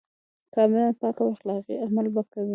کاملاً پاک او اخلاقي عمل به کوي.